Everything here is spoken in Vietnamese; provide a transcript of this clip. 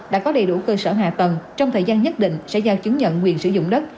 đã có đầy đủ cơ sở hạ tầng trong thời gian nhất định sẽ giao chứng nhận quyền sử dụng đất